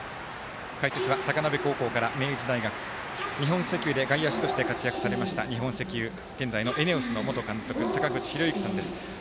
解説は高鍋高校から明治大学日本石油で外野手として活躍されました、日本石油現在のＥＮＥＯＳの元監督坂口裕之さんです。